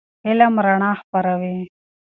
علم رڼا خپروي.